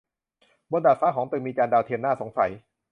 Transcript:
บนดาดฟ้าของตึกมีจานดาวเทียมน่าสงสัย